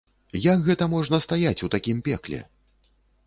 Як гэта можна стаяць у такім пекле?